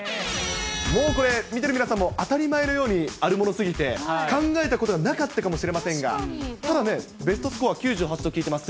もうこれ、見てる皆さんも当たり前のようにあるものすぎて、考えたことがなかったかもしれませんが、ただね、ベストスコア９８と聞いています